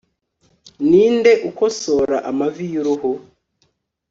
ninde ukosora amavi y'uruhu